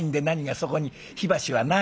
そこに火箸はない？